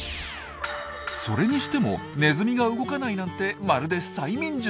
それにしてもネズミが動かないなんてまるで催眠術。